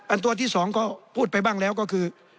ตัวที่สองก็พูดไปบ้างแล้วก็คือ